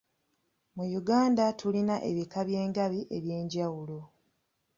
Mu Uganda tulina ebika by'engabi eby'enjawulo.